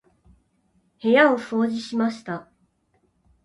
部屋を掃除しました。